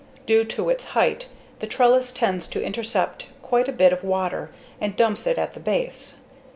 Due to its height, the trellis tends to intercept quite a bit of water and dumps it at the base.